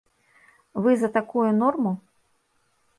Вы за такую норму?